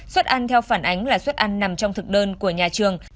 xuất ăn theo phản ánh là xuất ăn nằm trong thực đơn của nhà trường